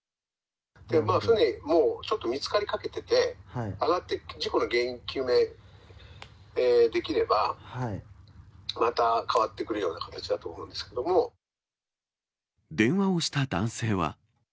船、ちょっともう見つかりかけてて、揚がって、事故の原因究明できれば、また変わってくるような形だと思うんで電話をした男性は。